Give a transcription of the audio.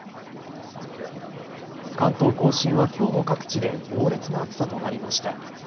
関東甲信はきょうも各地で猛烈な暑さとなりました。